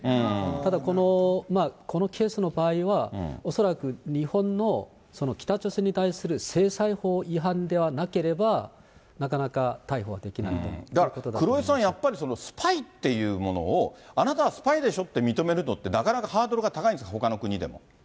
ただこのケースの場合は、恐らく、日本の北朝鮮に対する制裁法違反ではなければなかなか逮捕はできだから黒井さん、やっぱり、スパイっていうものをあなたはスパイでしょ？って認めるのってなかなかハードルが高いんです、ほかの国でも。